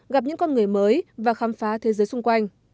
gặp những con người mới và khám phá thế giới xung quanh